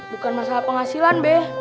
bukan masalah penghasilan beh